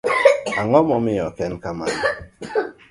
ang'o momiyo ok en kamano?